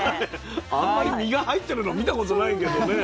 あんまり実が入ってるの見たことないけどね。